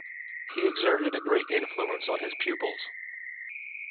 He exerted a great influence on his pupils.